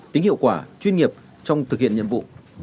tính hiệu quả chuyên nghiệp trong thực hiện nhiệm vụ